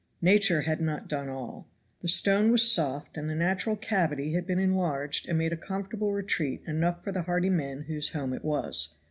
Nature had not done all. The stone was soft, and the natural cavity had been enlarged and made a comfortable retreat enough for the hardy men whose home it was.